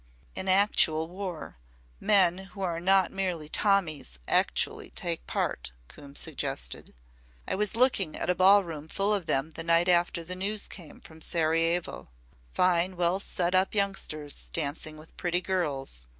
"In actual war, men who are not merely 'Tommies' actually take part," Coombe suggested. "I was looking at a ball room full of them the night after the news came from Sarajevo. Fine, well set up youngsters dancing with pretty girls.